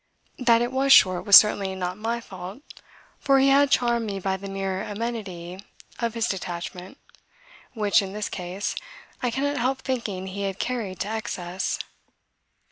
That it was short was certainly not my fault for he had charmed me by the mere amenity of his detachment which, in this case, I cannot help thinking he had carried to excess.